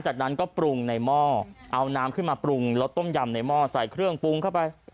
จากนั้นก็ปรุงในหม้อเอาน้ำขึ้นมาปรุงรสต้มยำในหม้อใส่เครื่องปรุงเข้าไป